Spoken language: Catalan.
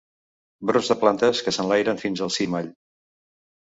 Brots de plantes que s'enlairen fins al cimall.